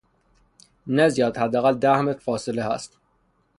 نه زیاد حداقل ده متر فاصله هست